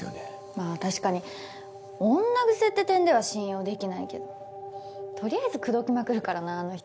まあ確かに女癖って点では信用できないけどとりあえず口説きまくるからなあの人。